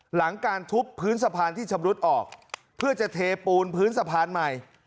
หลังการทุบพื้นสะพานที่ชำรุดออกเพื่อจะเทปูนพื้นสะพานใหม่